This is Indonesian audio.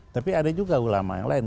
tapi ada juga ulama yang lain